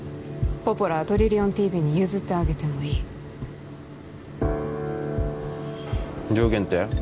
ポポラはトリリオンＴＶに譲ってあげてもいい条件って？